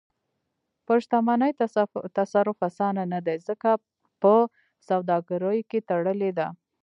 پر شتمنۍ تصرف اسانه نه دی، ځکه په سوداګریو تړلې ده.